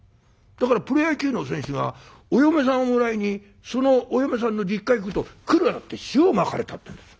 だからプロ野球の選手がお嫁さんをもらいにそのお嫁さんの実家に行くと来るなって塩まかれたってんです。